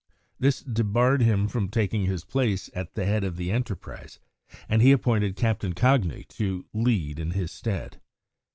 This debarred him from taking his place at the head of the enterprise, and he appointed Captain Cagni to the lead in his stead.